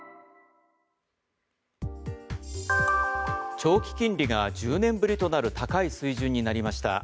長期金利が１０年ぶりとなる高い水準になりました。